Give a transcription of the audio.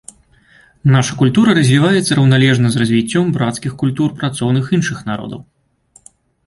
Наша культура развіваецца раўналежна з развіццём брацкіх культур працоўных іншых народаў.